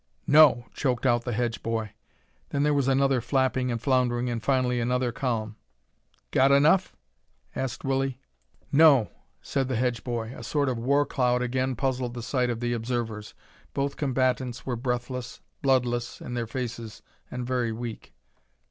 "No," choked out the Hedge boy. Then there was another flapping and floundering, and finally another calm. [Illustration: "'WHO HURT HIM?' HE SAID FEROCIOUSLY"] "Got enough?" asked Willie. "No," said the Hedge boy. A sort of war cloud again puzzled the sight of the observers. Both combatants were breathless, bloodless in their faces, and very weak.